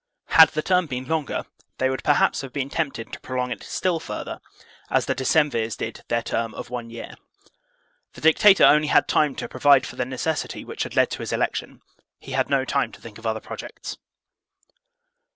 Had the term been longer, they would perhaps have been tempted to prolong it still further, as the Decemvirs did their term of one year. The dictator only had time to provide for the necessity which had led to his election; he had no time to think of other projects.